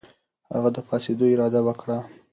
هغه د پاڅېدو اراده وکړه.